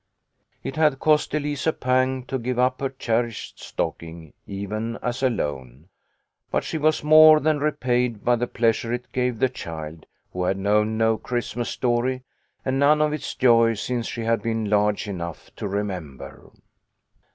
It had cost Elise a pang to give up her cherished stocking even as a loan, but she was more than repaid by the pleasure it gave the child, who had known no Christmas story and none of its joy since she had been large enough to remember.